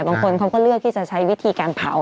บางคนเขาก็เลือกที่จะใช้วิธีการเผา